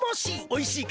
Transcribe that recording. おいしい！